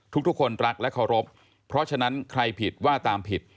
ทุกคนรักและเคารพเพราะฉะนั้นใครผิดว่าตามผิด